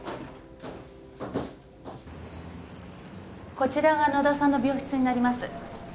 こちらが野田さんの病室になります